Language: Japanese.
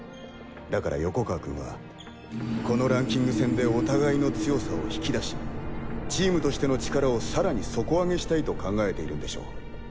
だから横川君はこのランキング戦でお互いの強さを引き出しチームとしての力をさらに底上げしたいと考えているんでしょう。